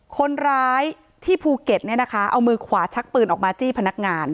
คนร้ายที่ภูเก็ตเนี่ยนะคะเอามือขวาชักปืนออกมาจี้พนักงาน